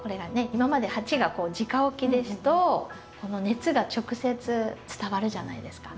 今まで鉢がじか置きですと熱が直接伝わるじゃないですか。